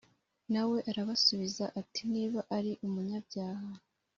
Na we arabasubiza ati Niba ari umunyabyaha